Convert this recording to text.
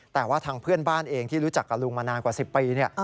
แต่ว่าทางเพื่อนบ้านเองที่รู้จักกับลุงมานานกว่า๑๐ปี